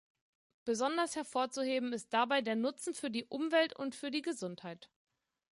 Besonders hervorzuheben ist dabei der Nutzen für die Umwelt und für die Gesundheit.